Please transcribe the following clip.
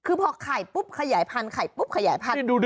คือพอไข่ปุ๊บขยายพันธไข่ปุ๊บขยายพันธุ์